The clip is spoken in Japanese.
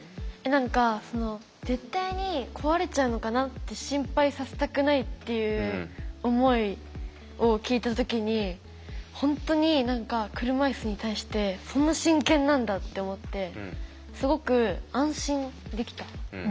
何かその絶対に壊れちゃうのかなって心配させたくないっていう思いを聞いた時に本当に何か車いすに対してそんな真剣なんだって思ってすごく安心できた。